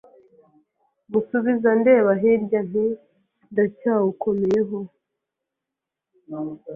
Musubiza ndeba hirya nti Ndacyawukomeyeho